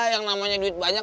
yang namanya duit banyak